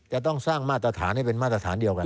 จะต้องสร้างมาตรฐานให้เป็นมาตรฐานเดียวกัน